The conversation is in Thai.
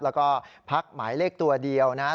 แล้วก็พักหมายเลขตัวเดียวนะ